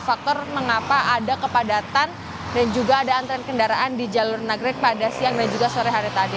faktor mengapa ada kepadatan dan juga ada antrean kendaraan di jalur nagrek pada siang dan juga sore hari tadi